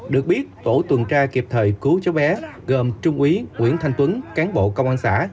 được biết tổ tuần tra kịp thời cứu cháu bé gồm trung úy nguyễn thanh tuấn cán bộ công an xã